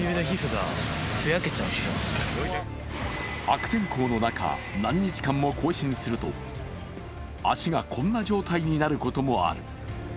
悪天候の中、何日間も行進すると足がこんな状態になることもある。